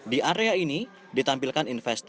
di area ini ditampilkan investor yang aktif